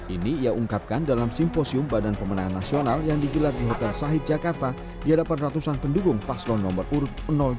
ini ia ungkapkan dalam simposium badan pemenangan nasional yang digelar di hotel sahid jakarta di hadapan ratusan pendukung paslon nomor urut dua